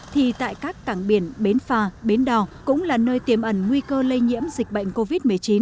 thì tại các cảng biển bến phà bến đò cũng là nơi tiềm ẩn nguy cơ lây nhiễm dịch bệnh covid một mươi chín